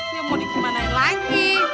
ya mau digimanain lagi